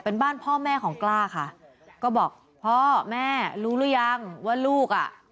เป็นบ้านพ่อแม่ของกล้าค่ะก็บอกพ่อแม่รู้หรือยังว่าลูกอ่ะ